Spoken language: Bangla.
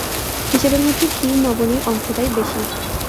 হিসেবের মধ্যে ক্ষীর-নবনীর অংশটাই বেশি।